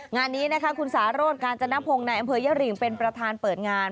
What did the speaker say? งานนี้นะคะคุณสาโรธกาญจนพงศ์ในอำเภอยริงเป็นประธานเปิดงาน